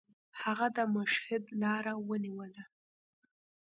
هغه د مشهد لاره ونیوله.